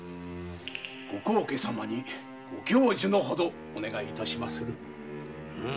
ご高家様にご教授のほどお願い致しまする。